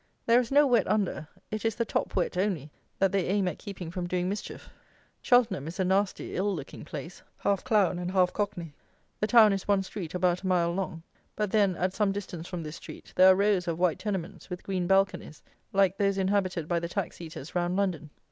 There is no wet under; it is the top wet only that they aim at keeping from doing mischief. Cheltenham is a nasty, ill looking place, half clown and half cockney. The town is one street about a mile long; but, then, at some distance from this street, there are rows of white tenements, with green balconies, like those inhabited by the tax eaters round London.